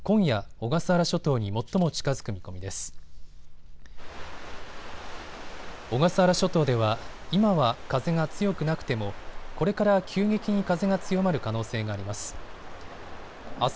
小笠原諸島では今は風が強くなくてもこれから急激に風が強まる可能性があります。